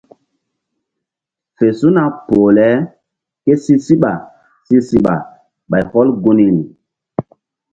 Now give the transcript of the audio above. WF su̧na poh le ké si síɓa si siɓa ɓay hɔl gunri.